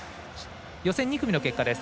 予選２組の結果です。